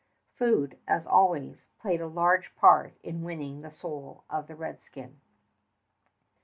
Food, as always, played a large part in winning the soul of the redskin.